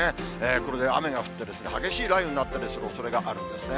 これで雨が降ってですね、激しい雷雨になったりするおそれがあるんですね。